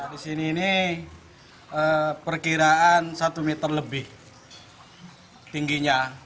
di sini ini perkiraan satu meter lebih tingginya